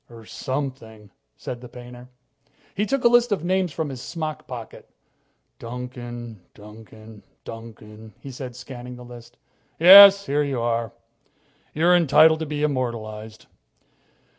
"Or something," said the painter. He took a list of names from his smock pocket. "Duncan, Duncan, Duncan," he said, scanning the list. "Yes here you are. You're entitled to be immortalized.